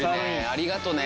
ありがとね